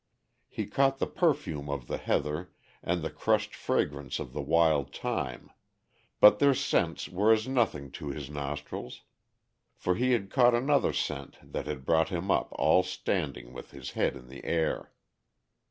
He caught the perfume of the heather and the crushed fragrance of the wild thyme, but their scents were as nothing to his nostrils. For he had caught another scent that had brought him up all standing with his head in the air.